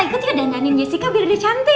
aku mau dandanin jessica biar dia cantik